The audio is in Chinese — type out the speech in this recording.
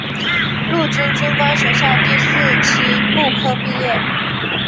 陆军军官学校第四期步科毕业。